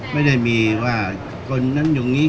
การสำรรค์ของเจ้าชอบใช่